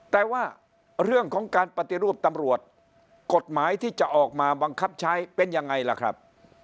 แต่ว่าเรื่องของการปฏิรูปตำรวจกฎหมายที่จะออกมาบังคับใช้เป็นยังไงล่ะครับ